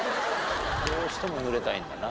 どうしても濡れたいんだな。